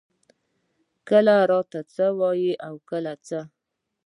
کله راته څۀ وائي او کله څۀ ـ